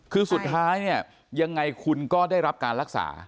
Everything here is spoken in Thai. คือสุดท้ายเนี่ยยังไงคุณก็ได้รับการรักษา